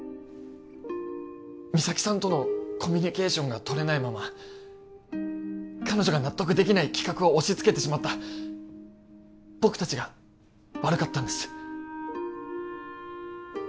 三咲さんとのコミュニケーションが取れないまま彼女が納得できない企画を押しつけてしまった僕達が悪かったんです